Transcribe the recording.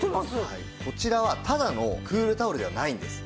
こちらはただのクールタオルではないんです。